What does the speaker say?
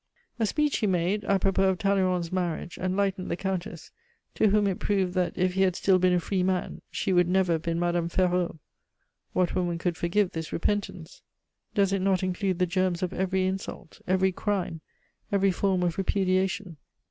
A speech he made, a propos of Talleyrand's marriage, enlightened the Countess, to whom it proved that if he had still been a free man she would never have been Madame Ferraud. What woman could forgive this repentance? Does it not include the germs of every insult, every crime, every form of repudiation?